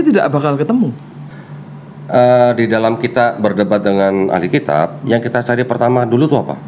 tidak bakal ketemu di dalam kita berdebat dengan ahli kitab yang kita cari pertama dulu itu apa